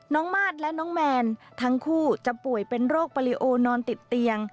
มาสและน้องแมนทั้งคู่จะป่วยเป็นโรคปริโอนอนติดเตียง